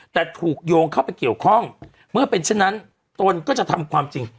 แต่ถูกโยงเข้าไปเกี่ยวข้องเมื่อเป็นเช่นนั้นตนก็จะทำความจริง